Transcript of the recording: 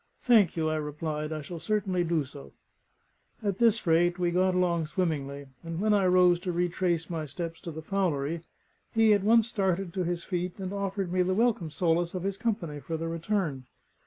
"Thank you," I replied. "I shall certainly do so." At this rate, we got along swimmingly; and when I rose to retrace my steps to the Fowlery, he at once started to his feet and offered me the welcome solace of his company for the return.